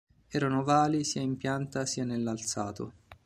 Erano ovali sia in pianta sia nell'alzato.